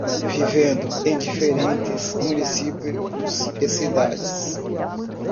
Vivendo em diferentes municípios e cidades